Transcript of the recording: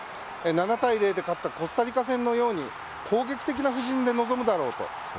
７対０で勝ったコスタリカ戦のように攻撃的な布陣で臨むだろうと。